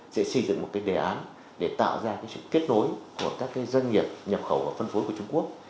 sẽ xây dựng một đề án để tạo ra sự kết nối của các doanh nghiệp nhập khẩu và phân phối của trung quốc